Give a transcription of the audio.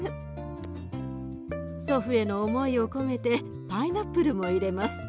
祖父への思いを込めてパイナップルも入れます。